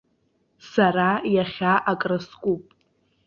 Сара иахьа акрыскуп.